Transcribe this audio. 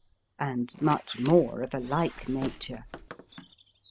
and much more of a like na ture.